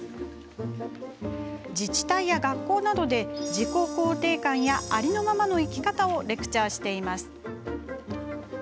自治体や学校などで自己肯定感やありのままの生き方をレクチャーしています。